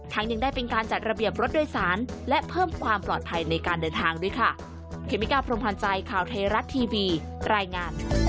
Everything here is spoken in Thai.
ยังได้เป็นการจัดระเบียบรถโดยสารและเพิ่มความปลอดภัยในการเดินทางด้วยค่ะ